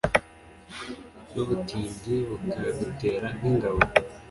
n’ubutindi bukagutera nk’ingabo